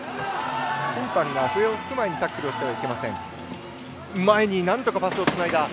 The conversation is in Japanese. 審判が笛を吹く前にタックルをしてはいけません。